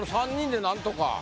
３人で何とか。